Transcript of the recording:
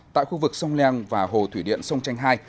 tại khu vực sông leng và hồ thủy điện sông chanh hai